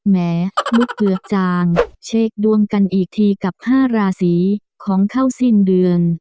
แม้ลูกเกือบจางเช็คดวงกันอีกทีกับ๕ราศีของเข้าสิ้นเดือน